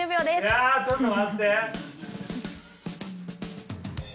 いやちょっと待って！